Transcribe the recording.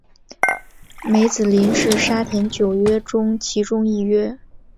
梅子林是沙田九约中其中一约。